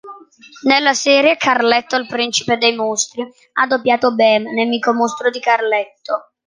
Nella serie "Carletto il principe dei mostri" ha doppiato Bem, nemico mostro di Carletto.